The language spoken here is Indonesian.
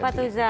apa tuh zam